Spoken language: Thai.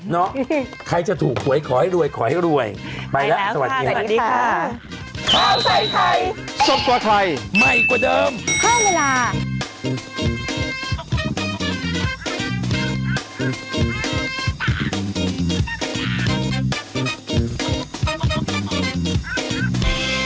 เนาะใครจะถูกหวยขอให้รวยขอให้รวยไปแล้วสวัสดีค่ะสวัสดีค่ะ